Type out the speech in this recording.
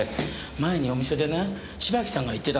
前にお店でね芝木さんが言ってたの。